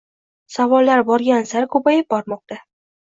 Savollar borgan sari ko‘payib bormoqda.